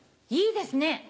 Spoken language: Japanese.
いいですね。